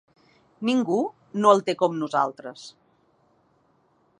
Ningú no el té com nosaltres.